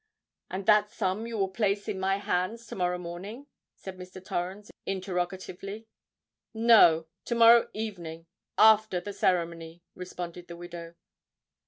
"And that sum you will place in my hands to morrow morning?" said Mr. Torrens interrogatively. "No—to morrow evening, after the ceremony," responded the widow.